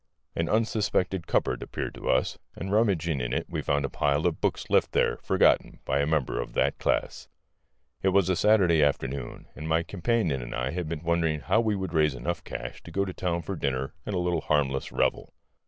An unsuspected cupboard appeared to us, and rummaging in it we found a pile of books left there, forgotten, by a member of that class. It was a Saturday afternoon, and my companion and I had been wondering how we could raise enough cash to go to town for dinner and a little harmless revel.